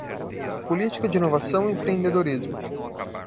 Política de inovação e empreendedorismo